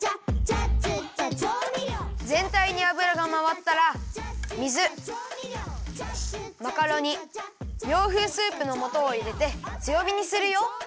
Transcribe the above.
ぜんたいにあぶらがまわったら水マカロニ洋風スープのもとをいれてつよびにするよ。